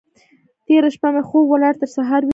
تېره شپه مې خوب ولاړ؛ تر سهار ويښ وم.